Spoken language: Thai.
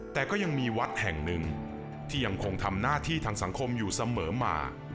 แต่ก็ยังมีวัดแห่งหนึ่งที่ยังคงทำหน้าที่ทางสังคมอยู่เสมอมา